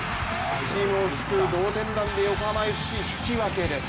チームを救う同点弾で横浜ＦＣ引き分けです。